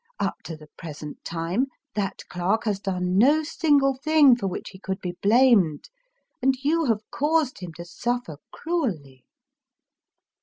Up to the present time that clerk has done no single thing for which he could be blamed; and you have caused him to suffer cruelly.